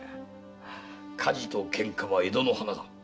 「火事と喧嘩は江戸の花だ。